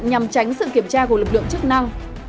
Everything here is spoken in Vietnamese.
nhằm tránh sự kiểm tra của lực lượng chức năng